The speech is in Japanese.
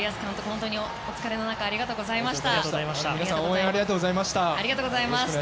本当にお疲れの中ありがとうございました。